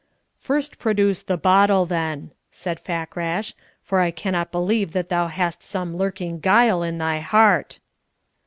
"First produce the bottle, then," said Fakrash, "for I cannot believe but that thou hast some lurking guile in thy heart."